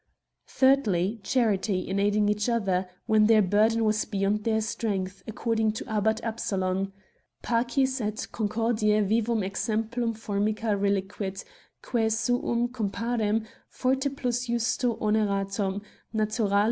thirdly, charity, in aiding each other, when their burden was beyond their strength, according to Abbat Absalon : 70 Queer Culprits * Pads et concordiae vivum exemplum formica reliquit, quae suum comparem, forte plus justo oneratum, natural!